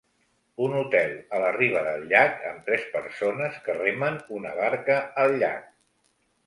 Un hotel a la riba del llac amb tres persones que remen una barca al llac.